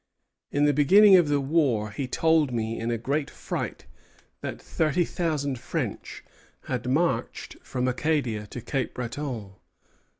In the beginning of the war he told me in a great fright that thirty thousand French had marched from Acadia to Cape Breton.